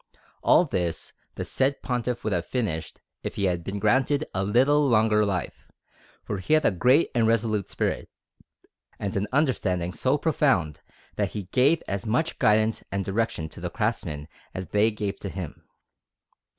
All this the said Pontiff would have finished if he had been granted a little longer life, for he had a great and resolute spirit, and an understanding so profound, that he gave as much guidance and direction to the craftsmen as they gave to him.